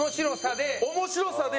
面白さで？